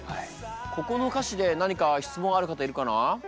ここの歌詞で何か質問ある方いるかな？